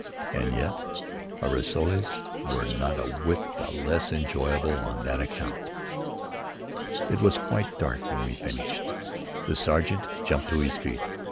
And yet our rissoles were not a whit the less enjoyable on that account. It was quite dark when we had finished. The sergeant jumped to his feet.